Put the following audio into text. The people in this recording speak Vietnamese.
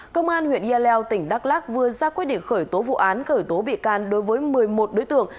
công an huyện yà leo tỉnh đắk lắc vừa ra quyết định khởi tố vụ án khởi tố bị can đối với một mươi một đối tượng